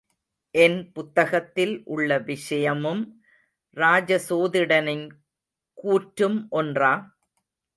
என் புத்தகத்தில் உள்ள விஷயமும், ராஜ சோதிடனின் கூற்றும் ஒன்றா?